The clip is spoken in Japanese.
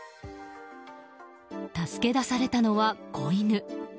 助け出されたのは、子犬。